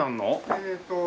えーっと。